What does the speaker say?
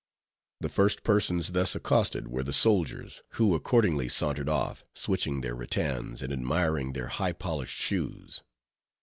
The first persons thus accosted were the soldiers, who accordingly sauntered off, switching their rattans, and admiring their high polished shoes.